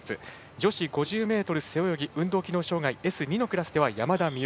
女子５０ｍ背泳ぎ運動機能障がいＳ２のクラスでは山田美幸。